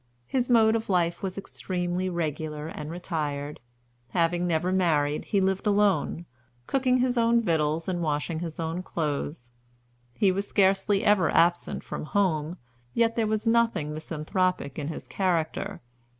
His mode of life was extremely regular and retired. Having never married, he lived alone, cooking his own victuals and washing his own clothes. He was scarcely ever absent from home, yet there was nothing misanthropic in his character.